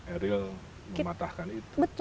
ariel mematahkan itu